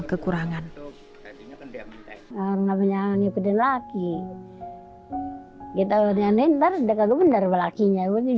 kekurangan orangnya nyanyi pindah lagi kita orangnya nintar dekat benar belakinya udah